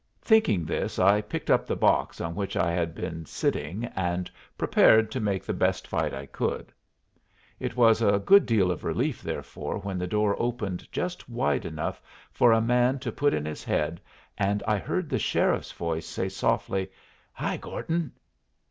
Thinking this, I picked up the box on which I had been sitting and prepared to make the best fight I could. It was a good deal of relief, therefore, when the door opened just wide enough for a man to put in his head, and I heard the sheriff's voice say, softly, "Hi, Gordon!"